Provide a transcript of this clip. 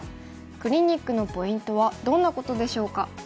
クリニックのポイントはどんなことでしょうか？